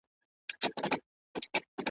له آمو تر اباسینه وطن غواړو ,